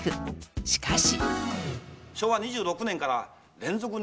しかし。